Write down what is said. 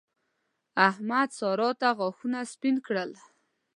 احمد؛ سارا ته غاښونه سپين کړل.